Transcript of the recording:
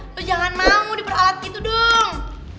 itu jangan mau diperalat gitu dong